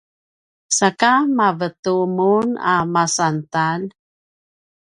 saka mavetu mun a masantalj?